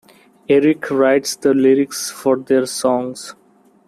Eric writes the lyrics for their songs.